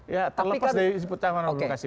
ya terlepas dari ikut tampur tangannya birokrasi